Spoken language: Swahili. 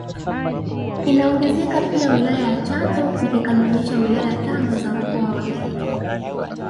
Inaongezeka pia wilaya ya Chato ikikamilisha wilaya tano za Mkoa wa Geita